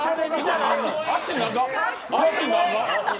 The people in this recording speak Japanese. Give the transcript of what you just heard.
足長っ。